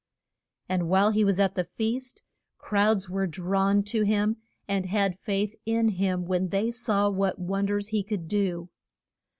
] And while he was at the feast crowds were drawn to him, and had faith in him when they saw what won ders he could do.